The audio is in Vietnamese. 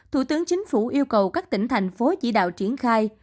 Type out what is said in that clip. thủ tướng chính phủ yêu cầu các tỉnh thành phố chỉ đạo triển khai